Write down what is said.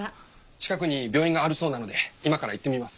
近くに病院があるそうなので今から行ってみます。